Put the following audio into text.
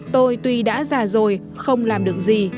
tôi tuy đã già rồi không làm được gì